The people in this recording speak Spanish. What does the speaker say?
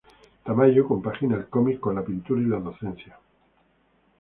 Tamayo compagina el cómic con la pintura y la docencia.